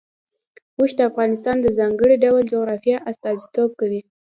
اوښ د افغانستان د ځانګړي ډول جغرافیه استازیتوب کوي.